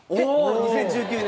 ２０１９年？